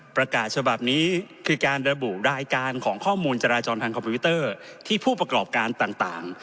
ประกาศฉบับนี้คือการระบุรายการของข้อมูลจราจรทางคอมพิวเตอร์ที่ผู้ประกอบการต่าง